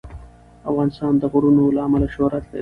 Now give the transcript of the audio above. افغانستان د غرونه له امله شهرت لري.